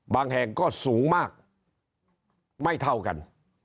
แห่งก็สูงมากไม่เท่ากัน